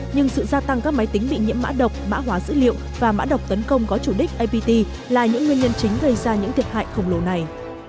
nhưng sự gia tăng các máy tính bị nhiễm mã độc mã hóa dữ liệu và mã độc tấn công có chủ đích apt là những nguyên nhân chính gây ra những thiệt hại khổng lồ này